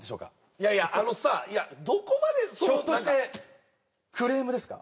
いやいやあのさいやどこまでその何かひょっとしてクレームですか？